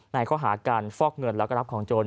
ในข้อหาการฟอกเงินแล้วก็รับของโจร